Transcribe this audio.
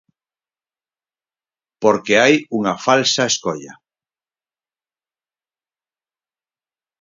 Porque hai unha falsa escolla.